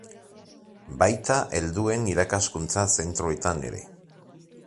Baita helduen irakaskuntza zentroetan ere.